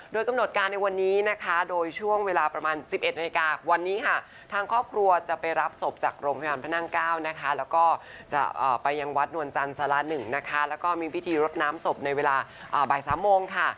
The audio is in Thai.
โดยกำหนดการณ์ในวันนี้นะคะ